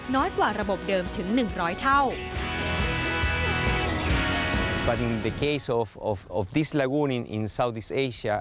กว่าระบบเดิมถึงหนึ่งร้อยเท่า